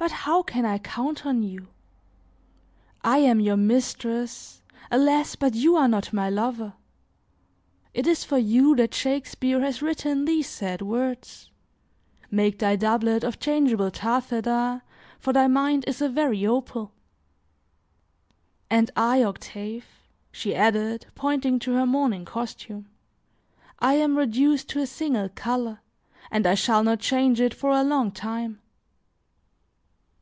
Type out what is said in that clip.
But how can I count on you? I am your mistress, alas! but you are not my lover. It is for you that Shakespeare has written these sad words: 'Make thy doublet of changeable taffeta, for thy mind is a very opal.' And I, Octave," she added, pointing to her mourning costume, "I am reduced to a single color, and I shall not change it for a long time."